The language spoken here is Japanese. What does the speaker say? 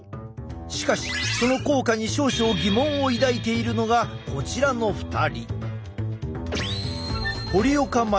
しかしその効果に少々疑問を抱いているのがこちらの２人。